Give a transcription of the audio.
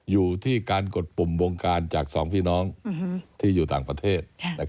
อยู่ที่การกดปุ่มวงการจากสองพี่น้องที่อยู่ต่างประเทศ